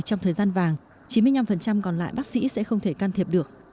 trong thời gian vàng chín mươi năm còn lại bác sĩ sẽ không thể can thiệp được